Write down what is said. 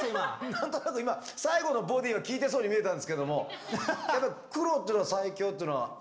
何となく今最後のボディーは効いてそうに見えたんですけどもやっぱり黒というのは最強っていうのは関係があるんですか？